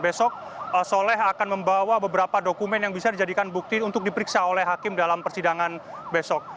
besok soleh akan membawa beberapa dokumen yang bisa dijadikan bukti untuk diperiksa oleh hakim dalam persidangan besok